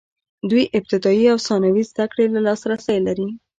دوی ابتدايي او ثانوي زده کړې ته لاسرسی لري.